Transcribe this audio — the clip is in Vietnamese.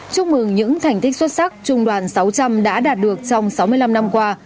chúc mừng những thành tích xuất sắc trung đoàn sáu trăm linh đã đạt được trong sáu mươi năm năm qua